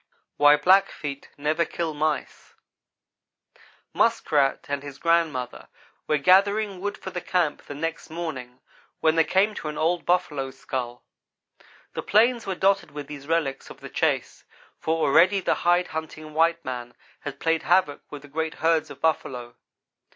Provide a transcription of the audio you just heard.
WHY BLACKFEET NEVER KILL MICE MUSKRAT and his grandmother were gathering wood for the camp the next morning, when they came to an old buffalo skull. The plains were dotted with these relics of the chase, for already the hide hunting white man had played havoc with the great herds of buffalo.